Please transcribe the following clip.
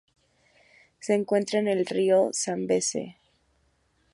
Se encuentra en el Río Zambeze.